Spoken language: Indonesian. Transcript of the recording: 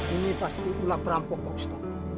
ini pasti ulat rampok pak ustaz